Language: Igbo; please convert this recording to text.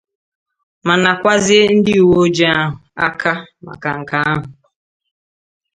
ma nakwazie ndị uweojii ahụ aka maka nke ahụ.